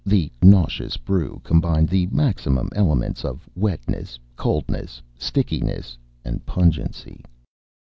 The nauseous brew combined the maximum elements of wetness, coldness, stickiness and pungency.